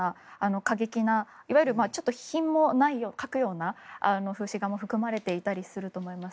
過激ないわゆるちょっと品も欠くような風刺画も含まれていたりすると思います。